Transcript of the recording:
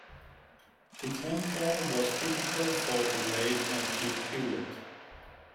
The templon was typical for the Late Antique period.